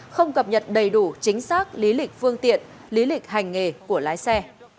không cập nhật đầy đủ chính xác lý lịch phương tiện lý lịch hành nghề của lái xe